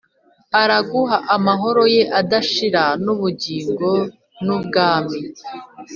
Araguha amahoro ye adashira n’ubugingo n’ubwami